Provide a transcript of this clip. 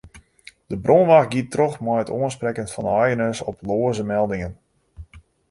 De brânwacht giet troch mei it oansprekken fan de eigeners op loaze meldingen.